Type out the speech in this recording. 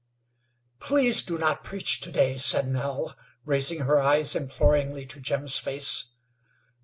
"Please do not preach to day," said Nell, raising her eyes imploringly to Jim's face.